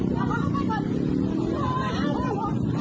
ก็อะไรบ้างไงอุ๊ย